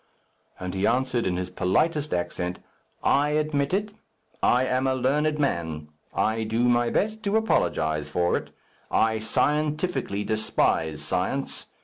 And he answered in his politest accent, "I admit it. I am a learned man. I do my best to apologize for it. I scientifically despise science.